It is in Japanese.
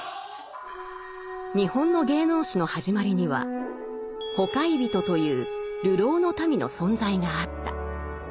「日本の芸能史のはじまりには『ほかひびと』という流浪の民の存在があった」。